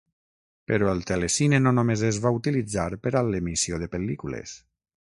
Però el telecine no només es va utilitzar per a l'emissió de pel·lícules.